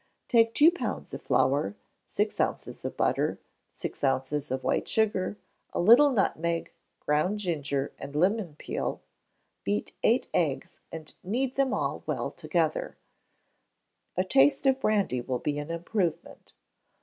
Take two pounds of flour, six ounces of butter, six ounces of white sugar, a little nutmeg, ground ginger, and lemon peel; beat eight eggs, and knead them all well together; a taste of brandy will be an improvement.